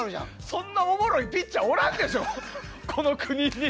そんなおもろいピッチャーいないでしょ、この国に！